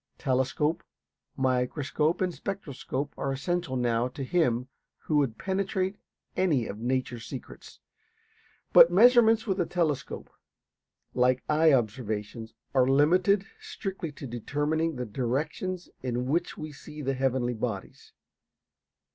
Telescope, microscope, and spectroscope are essential now to him who would penetrate any of Nature's secrets. But measurements with a telescope, like eye observations, are limited strictly to determining the directions in which we see the heavenly bodies.